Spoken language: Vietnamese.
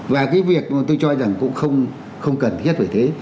và cái việc mà tôi cho rằng cũng không cần thiết về thế